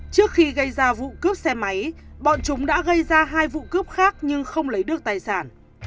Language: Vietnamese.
trước khi gây ra vụ cướp xe máy bọn chúng đã gây ra hai vụ cướp khác nhưng không lấy được tài sản